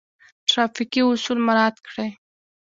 ټرافیکي اصول مراعات کړئ